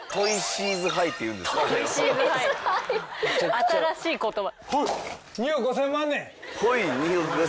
新しい言葉。